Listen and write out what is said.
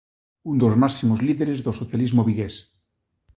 Un dos máximos líderes do socialismo vigués.